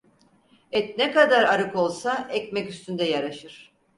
Et ne kadar arık olsa ekmek üstünde yaraşır.